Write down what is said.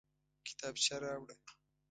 کتابچه راوړه